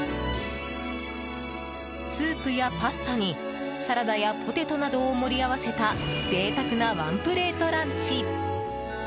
スープやパスタにサラダやポテトなどを盛り合わせた贅沢なワンプレートランチ。